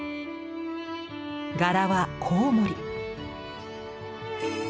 柄はコウモリ。